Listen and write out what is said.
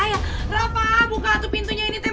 daripada gua ketangkep